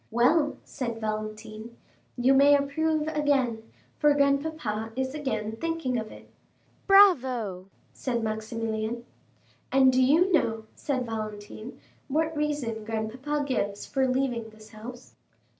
"Well," said Valentine, "you may approve again, for grandpapa is again thinking of it." "Bravo," said Maximilian. 40272m "And do you know," said Valentine, "what reason grandpapa gives for leaving this house."